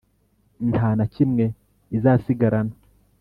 nta na kimwe izasigarana,